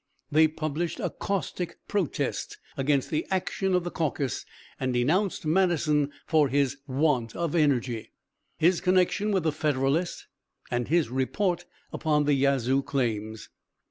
They published a caustic 'Protest' against the action of the caucus and denounced Madison for his 'want of energy,' his connection with the 'Federalist,' and his report upon the Yazoo claims.